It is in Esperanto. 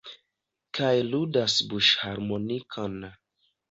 Kaj ludas buŝharmonikon.